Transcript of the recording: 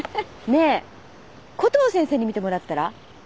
ねえコトー先生に診てもらったら？